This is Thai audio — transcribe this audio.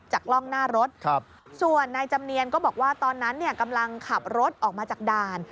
กล้องหน้ารถส่วนนายจำเนียนก็บอกว่าตอนนั้นกำลังขับรถออกมาจากด่าน